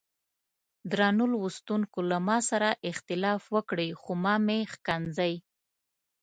درنو لوستونکو له ما سره اختلاف وکړئ خو مه مې ښکنځئ.